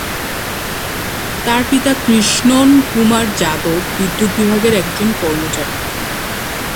তার পিতা কৃষ্ণন কুমার যাদব বিদ্যুৎ বিভাগের একজন কর্মচারী।